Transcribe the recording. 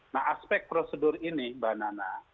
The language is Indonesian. nah aspek prosedur ini mbak nana